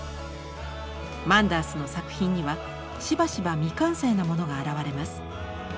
マンダースの作品にはしばしば未完成なものが現れます。